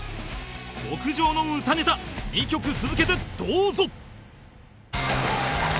極上の歌ネタ２曲続けてどうぞ！